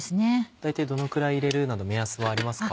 大体どのくらい入れるなど目安はありますか？